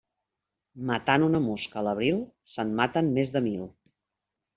Matant una mosca a l'abril, se'n maten més de mil.